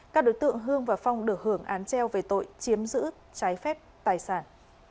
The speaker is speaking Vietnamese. các đối tượng hương và phong được hưởng án treo về tội chiếm giữ trái phép tài sản